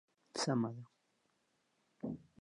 بریا ته رسېدل صبر، حوصلې او متین عزم ته اړتیا لري.